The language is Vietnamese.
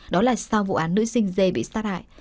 đó là sau vụ án nữ sinh dê bị sát hại